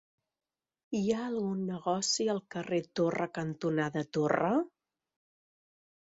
Hi ha algun negoci al carrer Torre cantonada Torre?